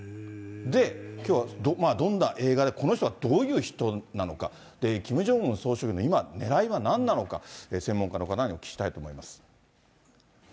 きょうはどんな映画で、この人がどういう人なのか、キム・ジョンウン総書記の今ねらいはなんなのか、専門家の方にお聞きしたいと思います。